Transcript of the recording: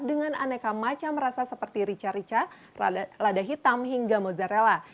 dengan aneka macam rasa seperti rica rica lada hitam hingga mozzarella